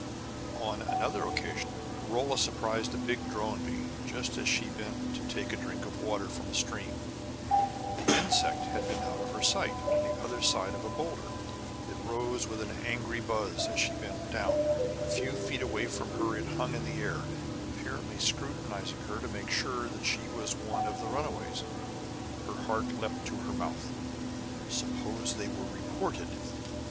On another occasion Rolla surprised a big drone bee, just as she bent to take a drink of water from a stream. The insect had been out of her sight, on the other side of a boulder. It rose with an angry buzz as she bent down; a few feet away from her it hung in the air, apparently scrutinizing her to make sure that she was one of the runaways. Her heart leaped to her mouth. Suppose they were reported!